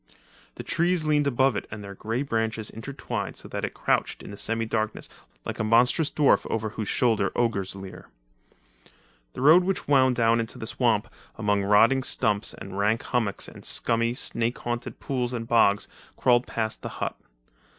The trees leaned above it and their grey branches intertwined so that it crouched in semi darkness like a monstrous dwarf over whose shoulder ogres leer. The road, which wound down into the swamp among rotting stumps and rank hummocks and scummy, snake haunted pools and bogs, crawled past the hut.